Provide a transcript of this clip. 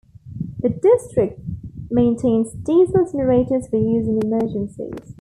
The District maintains diesel generators for use in emergencies.